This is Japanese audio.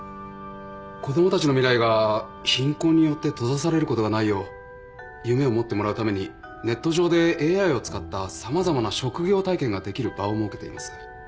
子供たちの未来が貧困によって閉ざされることがないよう夢を持ってもらうためにネット上でＡＩを使った様々な職業体験ができる場を設けています。